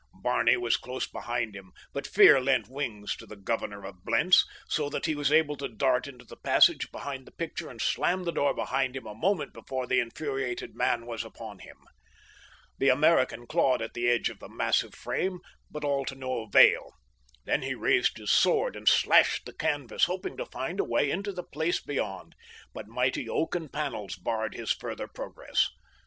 Barney was close behind him, but fear lent wings to the governor of Blentz, so that he was able to dart into the passage behind the picture and slam the door behind him a moment before the infuriated man was upon him. The American clawed at the edge of the massive frame, but all to no avail. Then he raised his sword and slashed the canvas, hoping to find a way into the place beyond, but mighty oaken panels barred his further progress.